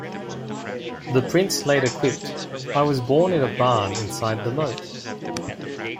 The prince later quipped, "I was born in a barn inside the moat".